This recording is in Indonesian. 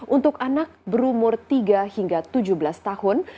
untuk anak berumur tiga hingga tujuh belas tahun